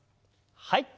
はい。